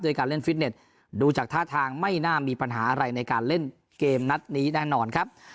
การเล่นฟิตเน็ตดูจากท่าทางไม่น่ามีปัญหาอะไรในการเล่นเกมนัดนี้แน่นอนครับ